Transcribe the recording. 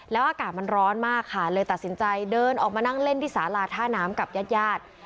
แล้วอากาศมันร้อนมากค่ะเลยตัดสินใจเดินออกมานั่งเล่นที่สาลาท่าน้ำกับญาติญาติ